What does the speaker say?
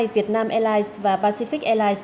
việt nam airlines và pacific airlines